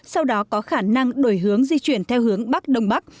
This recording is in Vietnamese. sau đó có khả năng đổi hướng di chuyển theo hướng bắc đông bắc